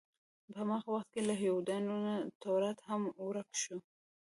په هماغه وخت کې له یهودانو نه تورات هم ورک شو.